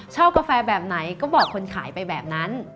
กาแฟแบบไหนก็บอกคนขายไปแบบนั้น